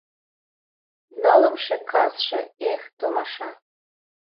Нылымше касше: эх, томаша!